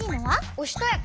おしとやか。